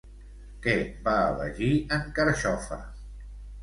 Què va elegir en Carxofa?